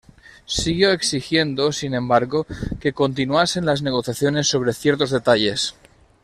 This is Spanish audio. Siguió exigiendo, sin embargo, que continuasen las negociaciones sobre ciertos detalles.